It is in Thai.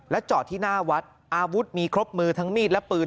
จอดที่หน้าวัดอาวุธมีครบมือทั้งมีดและปืน